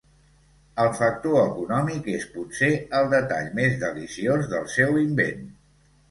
El factor econòmic és, potser, el detall més deliciós del seu invent.